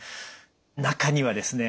中にはですね